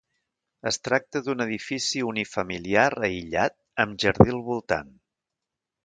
Es tracta d'un edifici unifamiliar aïllat amb jardí al voltant.